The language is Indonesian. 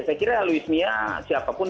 saya kira louis mia siapapun